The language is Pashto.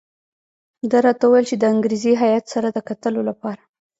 ده راته وویل چې د انګریزي هیات سره د کتلو لپاره.